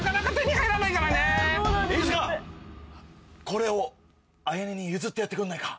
これを綾音に譲ってやってくんないか？